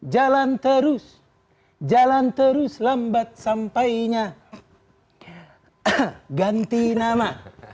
jalan terus jalan terus lambat sampainya ganti nama